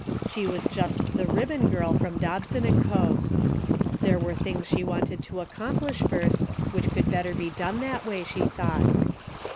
She was just the ribbon girl from Dobson and Co.'s. There were things she wanted to accomplish first which could better be done that way, she thought.